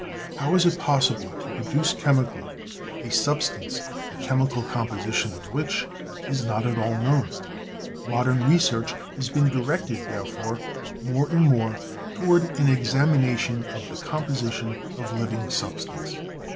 How is it possible to produce chemically a substance the chemical composition of which is not at all known? Modern research has been directed, therefore, more and more toward an examination of the composition of living substance.